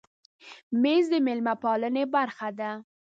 مېز د مېلمه پالنې برخه ده.